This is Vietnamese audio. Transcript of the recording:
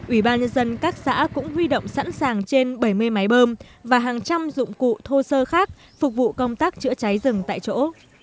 ủy ban nhân dân các xã cũng huy động sẵn sàng trên bảy mươi máy bơm và hàng trăm dụng cụ thô sơ khác phục vụ công tác chữa cháy rừng tại chỗ